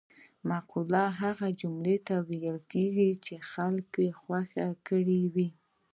مقوله هغه جملې ته ویل کېږي چې خلکو خوښه کړې وي